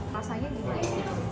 rasanya gimana sih